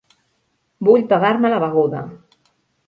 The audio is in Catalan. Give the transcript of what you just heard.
Vull pagar-me la beguda.